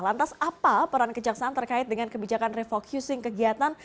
lantas apa peran kejaksaan terkait dengan kebijakan refocusing kegiatan